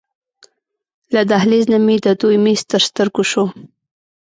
له دهلېز نه مې د دوی میز تر سترګو شو.